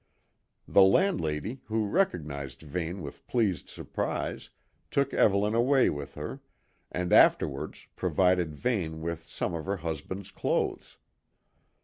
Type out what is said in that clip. The landlady, who recognised Vane with pleased surprise, took Evelyn away with her, and afterwards provided Vane with some of her husband's clothes.